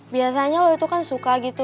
biasanya loh itu kan suka gitu